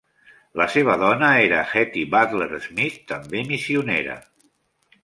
La seva dona era Hetty Butler Smith, també missionera.